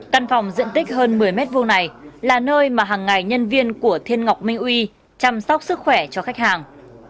căn phòng diện tích hơn một mươi m hai này là nơi mà hàng ngày nhân viên của thiên ngọc minh uy chăm sóc sức khỏe cho khách hàng